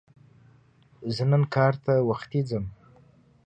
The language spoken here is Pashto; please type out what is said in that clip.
زه نن کار ته وختي ځم